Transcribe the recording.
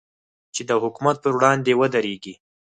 چې د حکومت پر وړاندې ودرېږي.